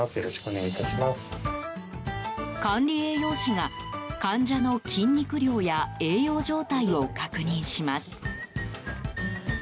管理栄養士が、患者の筋肉量や栄養状態を確認します。